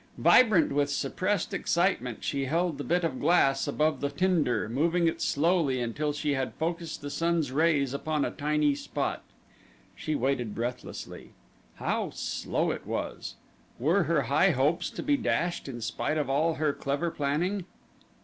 Vibrant with suppressed excitement she held the bit of glass above the tinder, moving it slowly until she had focused the sun's rays upon a tiny spot. She waited breathlessly. How slow it was! Were her high hopes to be dashed in spite of all her clever planning?